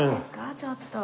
ちょっと。